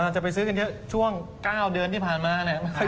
จะไปซื้อกันเท่าช่วง๙เดือนที่ผ่านมา